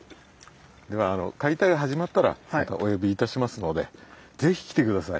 では解体が始まったらまたお呼びいたしますのでぜひ来て下さい。